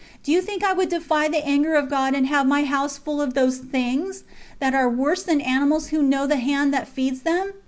Do you think I would defy the anger of God and have my house full of those things that are worse than animals who know the hand that feeds them?